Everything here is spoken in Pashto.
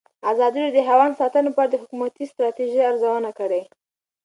ازادي راډیو د حیوان ساتنه په اړه د حکومتي ستراتیژۍ ارزونه کړې.